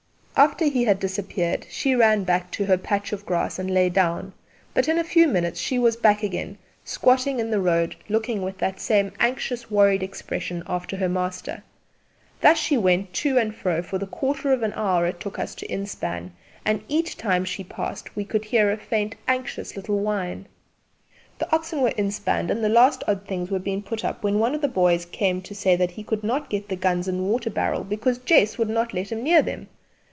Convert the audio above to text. After he had disappeared she ran back to her patch of grass and lay down, but in a few minutes she was back again squatting in the road looking with that same anxious worried expression after her master. Thus she went to and fro for the quarter of an hour it took us to inspan, and each time she passed we could hear a faint anxious little whine. The oxen were inspanned and the last odd things were being put up when one of the boys came to say that he could not get the guns and water barrel because Jess would not let him near them.